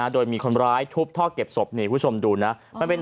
โดยมีคนร้ายทุบท่อเก็บสบเพื่อชมดูมันเป็น